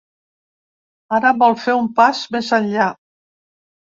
Ara, vol fer un pas més enllà.